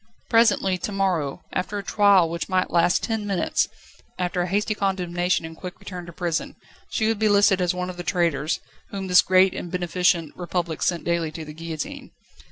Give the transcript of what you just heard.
Presently, to morrow, after a trial which might last ten minutes, after a hasty condemnation and quick return to prison, she would be listed as one of the traitors, whom this great and beneficent Republic sent daily to the guillotine.